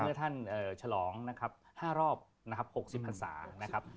เมื่อท่านฉลองนะครับ๕รอบนะครับ๖๐พันศานะครับ